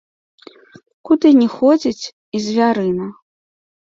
Куды не ходзіць і звярына?